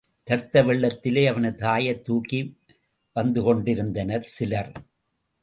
இரத்த வெள்ளத்திலே அவனது தாயைத் தூக்கி வந்து கொண்டிருந்தனர் சிலர்.